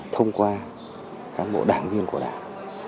thông qua các bộ đảng viên của đảng